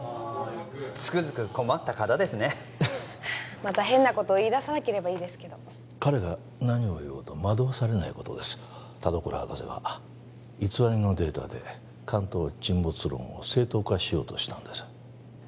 つくづく困った方ですねまた変なことを言いださなければいいですけど彼が何を言おうと惑わされないことです田所博士は偽りのデータで関東沈没論を正当化しようとしたんです